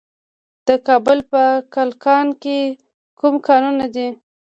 د کابل په کلکان کې کوم کانونه دي؟